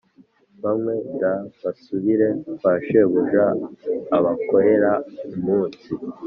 banywe d basubire kwa shebuja Abakorera umunsi